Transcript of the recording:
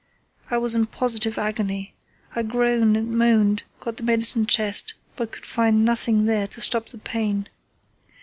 I was in positive agony. I groaned and moaned, got the medicine chest, but could find nothing there to stop the pain.